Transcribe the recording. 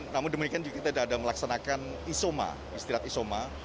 namun demikian juga kita sudah ada melaksanakan istirahat isoma